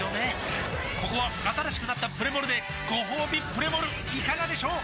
ここは新しくなったプレモルでごほうびプレモルいかがでしょう？